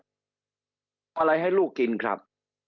อะไรให้ลูกกินครับ